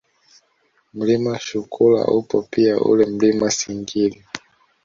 Mlima Shukula upo pia ule Mlima Singiri